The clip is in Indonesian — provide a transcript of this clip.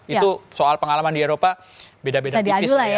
itu soal pengalaman di eropa beda beda tipis saya